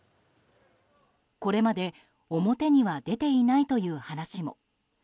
これまで表には出ていないという話も。